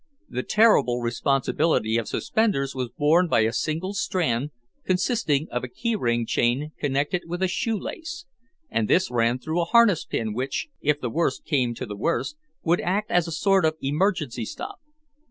The terrible responsibility of suspenders was borne by a single strand consisting of a key ring chain connected with a shoe lace and this ran through a harness pin which, if the worst came to the worst, would act as a sort of emergency stop.